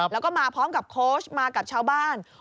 แล้วก็มาพร้อมกับโค้ชมากับชาวบ้าน